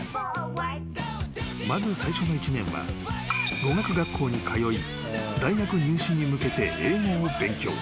［まず最初の１年は語学学校に通い大学入試に向けて英語を勉強］